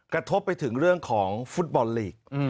กระทบไปถึงเรื่องของฟุตบอลลีก